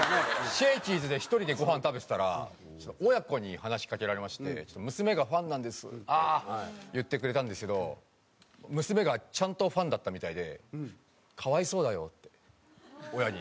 シェーキーズで１人でごはん食べてたら親子に話しかけられまして「娘がファンなんです」って言ってくれたんですけど娘がちゃんとファンだったみたいで「可哀想だよ」って親に。